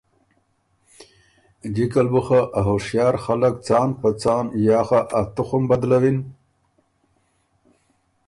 جکه ل بُو خه ا هُشیار خلق څان په څان یا خه ا تُخم بدلَوِن